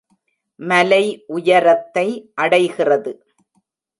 மலை உயரத்தை அடைகிறது.